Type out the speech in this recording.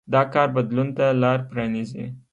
دا کار بدلون ته لار پرانېزي.